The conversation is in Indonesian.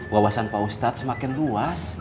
wawasan pak ustadz semakin luas